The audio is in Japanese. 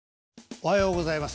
おはようございます。